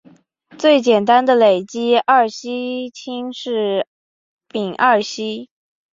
最简单的累积二烯烃是丙二烯。